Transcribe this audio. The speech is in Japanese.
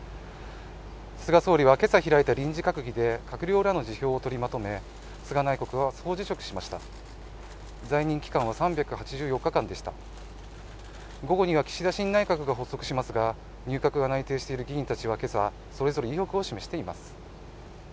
菅総理は今朝開いた臨時閣議で閣僚らの辞表を取りまとめ菅内閣は総辞職しました在任期間は３８４日間でした午後には岸田新内閣が発足しますが入閣が内定している議員たちはけさそれぞれ意欲を示しています